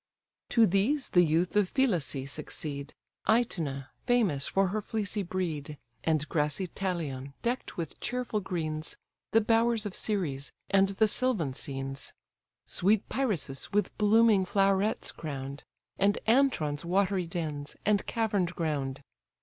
To these the youth of Phylacè succeed, Itona, famous for her fleecy breed, And grassy Pteleon deck'd with cheerful greens, The bowers of Ceres, and the sylvan scenes. Sweet Pyrrhasus, with blooming flowerets crown'd, And Antron's watery dens, and cavern'd ground.